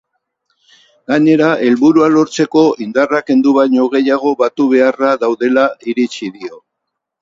Gainera, helburua lortzeko indarrak kendu baino gehiago batu beharra daudela iritzi dio.